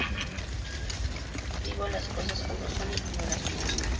Digo las cosas como son y como las pienso.